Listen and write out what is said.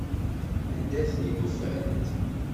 Anda ay ten-id-ufant?